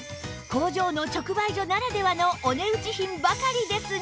工場の直売所ならではのお値打ち品ばかりですが